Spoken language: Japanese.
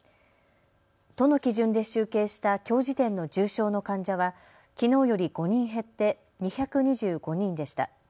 都の基準で集計したきょう時点の重症の患者はきのうより５人減って２２５人でした。